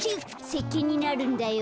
せっけんになるんだよ。